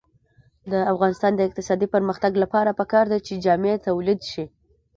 د افغانستان د اقتصادي پرمختګ لپاره پکار ده چې جامې تولید شي.